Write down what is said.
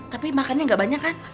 tapi makannya nggak banyak kan